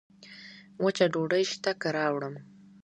وچه ډوډۍ سته که راوړم